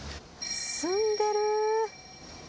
澄んでる。